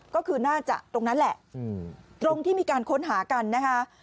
ก็คือน่าจะตรงนั้นแหละตรงที่มีการค้นหากันนะคะ